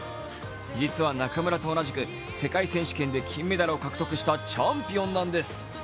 実は、中村と同じく世界選手権で金メダルを獲得したチャンピオンなんです。